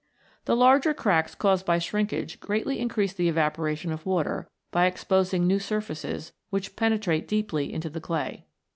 The larger cracks caused by shrinkage greatly increase the evaporation of water, by exposing new surfaces, which penetrate deeply into the clay.